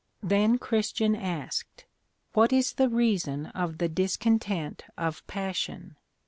Then Christian asked, What is the reason of the discontent of Passion?